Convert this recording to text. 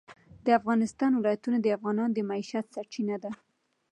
د افغانستان ولايتونه د افغانانو د معیشت سرچینه ده.